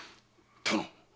殿！